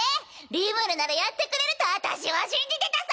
リムルならやってくれると私は信じてたさ！